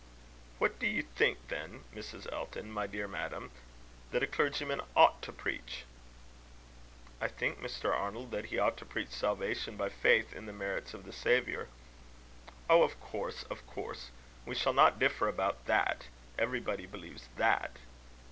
"What do you think, then, Mrs. Elton, my dear madam, that a clergyman ought to preach?" "I think, Mr. Arnold, that he ought to preach salvation by faith in the merits of the Saviour." "Oh! of course, of course. We shall not differ about that. Everybody believes that."